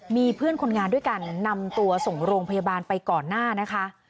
มีเพื่อนคนงานด้วยกันนำตัวส่งโรงพยาบาลไปก่อนหน้านะคะ